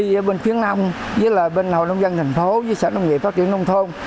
với bên khuyến nông với bên hồ nông dân thành phố với sở nông nghiệp phát triển nông thôn